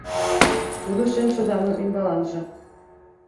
Тудо шемшыдаҥын ӱмбаланже